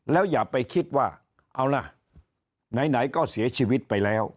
แล้วอย่าไปคิดว่าเอาล่ะไหนก็เสียชีวิตไปแล้ว